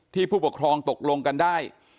ผู้ปกครองตกลงกันได้